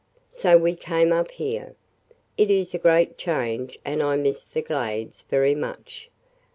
"So we came up here. It is a great change and I miss the Glades very much.